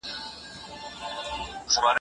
دا اسناد باید تر راتلونکې یکشنبې پورې ترتیب شي.